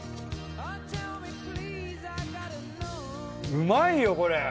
うまいよこれ！